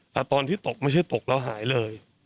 แต่ตอนที่ตกไม่ใช่ตกแล้วหายเลย